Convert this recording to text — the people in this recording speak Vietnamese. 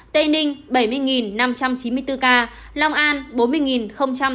tây ninh bảy mươi năm trăm chín mươi bốn ca long an bốn mươi tám mươi ba ca